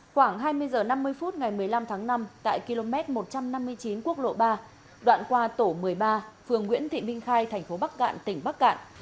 khoảng hai mươi h năm mươi phút ngày một mươi năm tháng năm tại km một trăm năm mươi chín quốc lộ ba đoạn qua tổ một mươi ba phường nguyễn thị minh khai thành phố bắc cạn tỉnh bắc cạn